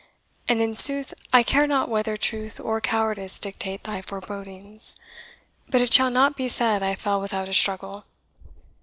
"and, in sooth, I care not whether truth or cowardice dictate thy forebodings. But it shall not be said I fell without a struggle.